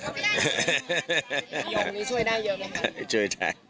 โรคนี้ช่วยได้เยอะไหมครับช่วยได้